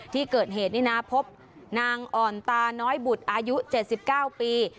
ที่เกิดเหตุนี่นะพบนางอ่อนตาน้อยบุตรอายุ๗๙ปี